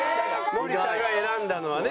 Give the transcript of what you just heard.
森田が選んだのはね。